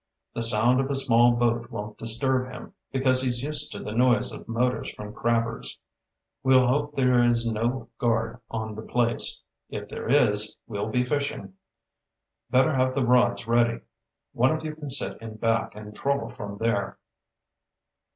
The sound of a small boat won't disturb him, because he's used to the noise of motors from crabbers. We'll hope there is no guard on the place. If there is, we'll be fishing. Better have the rods ready. One of you can sit in back and troll from there."